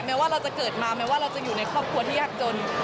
ว่าเราจะเกิดมาแม้ว่าเราจะอยู่ในครอบครัวที่ยากจน